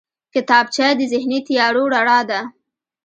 کتابچه د ذهني تیارو رڼا ده